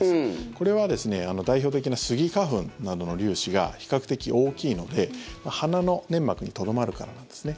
これは代表的なスギ花粉の粒子が比較的大きいので鼻の粘膜にとどまるからなんですね。